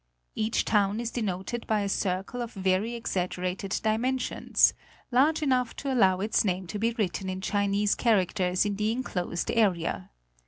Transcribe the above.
Each town is denoted by a circle of very ex aggerated dimensions, large enough to allow its name to be writ ten in Chinese characters in the enclosed area.